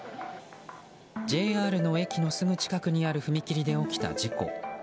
ＪＲの駅のすぐ近くにある踏切で起きた事故。